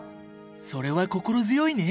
それは心強いね。